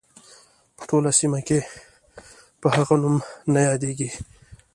په ټوله سیمه کې په هغه نوم نه یادیږي.